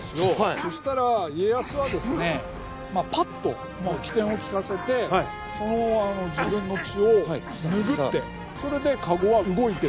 そしたら家康はですねぱっと機転を利かせて自分の血を拭ってそれでかごは動いてった。